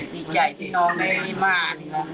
ดีใจที่น้องให้มา